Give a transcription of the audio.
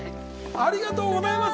ありがとうございます。